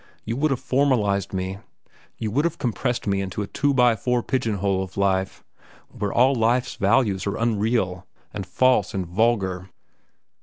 You would have formalized me. You would have compressed me into a two by four pigeonhole of life, where all life's values are unreal, and false, and vulgar."